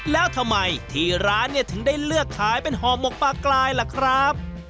แล้วทำไมที่ร้านเนี่ยถึงได้เลือกขายเป็นห่อหมกปลากลายล่ะครับ